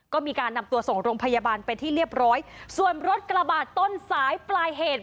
ก็มีการนำตัวส่งโรงพยาบาลไปที่เรียบร้อยส่วนรถกระบาดต้นสายปลายเหตุ